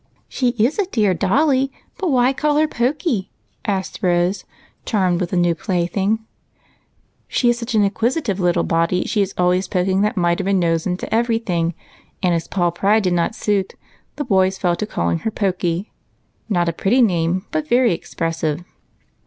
" She is a dear dolly. But why call her Pokey ?" asked Rose, charmed with the new plaything. " She is such an inquisitive little body she is always poking that mite of a nose into every thing ; and as 64 EIGHT COUSINS. Paul Pry did not suit, the boys fell to calling her Pokey. Not a pretty name, but very expressive."